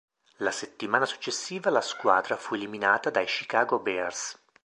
La settimana successiva la squadra fu eliminata dai Chicago Bears.